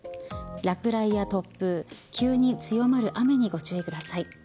落雷や突風急に強まる雨にご注意ください。